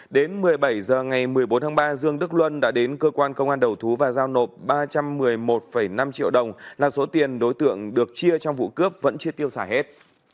đến một mươi bảy h ngày một mươi bốn tháng ba dương đức luân đã đến cơ quan công an đầu thú và giao nộp ba trăm một mươi một năm triệu đồng là số tiền đối tượng được chia trong vụ cướp vẫn chưa tiêu xài hết